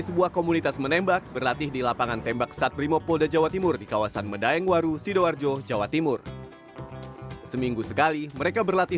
setelah dilatih mereka wajib memakai masker dan menjaga jarak